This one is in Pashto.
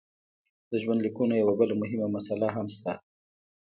د ژوندلیکونو یوه بله مهمه مساله هم شته.